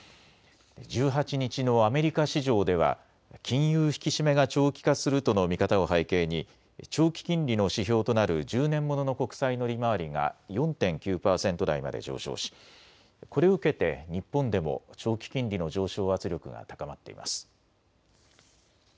１８日のアメリカ市場では金融引き締めが長期化するとの見方を背景に長期金利の指標となる１０年ものの国債の利回りが４．９％台まで上昇し、これを受けて日本でも長期金利の上昇圧力が高まっています。